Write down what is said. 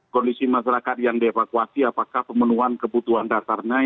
kondisi masyarakat yang dievakuasi apakah pemenuhan kebutuhan dasarnya